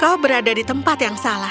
kau berada di tempat yang salah